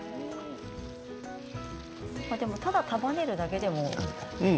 ただ束ねるだけでも。